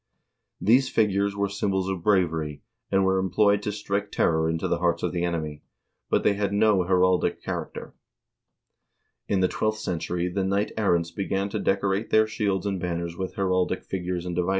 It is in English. These figures were symbols of bravery, and were employed to strike terror into the hearts of the enemy, but they had no heraldic char acter. In the twelfth century the knight errants began to decorate their shields and banners with heraldic figures and devices, and in 1 Heimskringla, Magnus Barfotssaga, ch.